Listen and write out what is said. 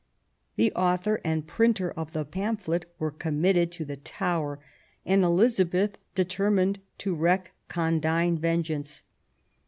The author and printer of the pamphlet were committed to the Tower, and Elizabeth deter mined to wreak condign vengeance.